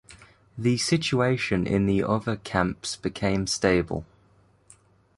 The situation in the other camps became stable.